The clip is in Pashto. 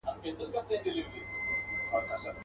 نه هغه ښکلي پخواني خلک په سترګو وینم.